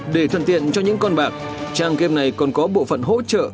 để thuận tiện cho những con bạc trang game này còn có bộ phận hỗ trợ